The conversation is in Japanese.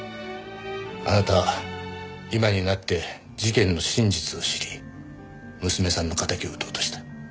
あなた今になって事件の真実を知り娘さんの敵を討とうとした。